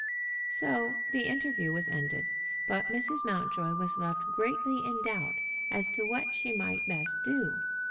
So the interview was ended; but Mrs. Mountjoy was left greatly in doubt as to what she might best do.